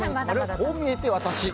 こう見えてワタシ。